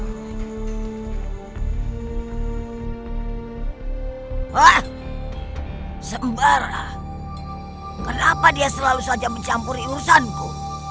wah sembara kenapa dia selalu saja mencampuri urusanku